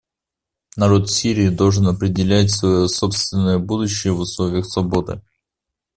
Народ Сирии должен определять свое собственное будущее в условиях свободы.